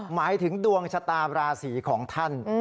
หมายถึงดวงชะตาราศีของท่าน